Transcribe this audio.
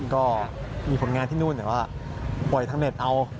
ก็มีผลงานที่นู่นแต่ว่าปล่อยทางเน็ตเอา